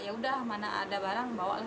ya udah mana ada barang bawa